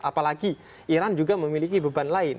apalagi iran juga memiliki beban lain